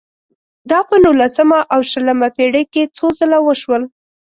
دا په نولسمه او شلمه پېړۍ کې څو ځله وشول.